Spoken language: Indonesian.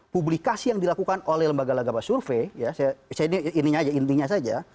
publikasi yang dilakukan oleh lembaga lagabah survei intinya saja